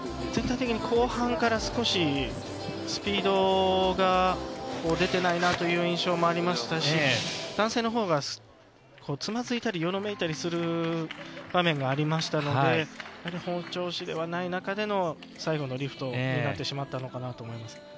全体的に後半から少しスピードが出てないなという印象もありましたし男性のほうがつまずいたりよろめいたりする場面がありましたので本調子ではない中での最後のリフトになってしまったのかなと思います。